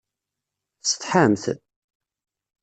Tessetḥamt?